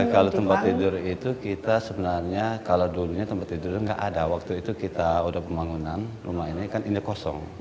kalau tempat tidur itu kita sebenarnya kalau dulunya tempat tidur itu nggak ada waktu itu kita udah pembangunan rumah ini kan indek kosong